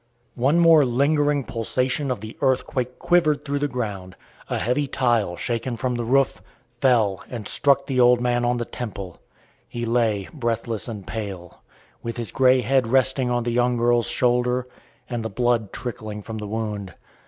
One more lingering pulsation of the earthquake quivered through the ground. A heavy tile, shaken from the roof, fell and struck the old man on the temple. He lay breathless and pale, with his gray head resting on the young girl's shoulder, and the blood trickling from the wound.